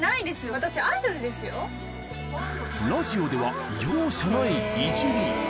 私、アイドラジオでは容赦ないいじり。